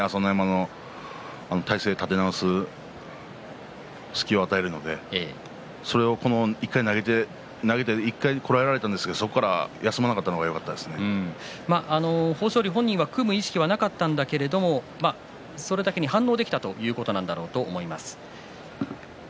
少し止まると、朝乃山の体勢を立て直す隙を与えるので１回こらえられたんですがそこから休まなかったのが豊昇龍本人は組む意識はなかったけどそれだけ反応できたということだと思います。